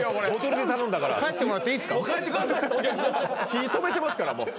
火止めてますからもう。